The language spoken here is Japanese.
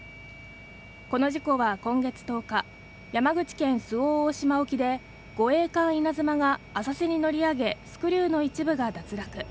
この事故は今月１０日山口県、周防大島沖で護衛艦いなづまが浅瀬に乗り上げスクリューの一部が脱落。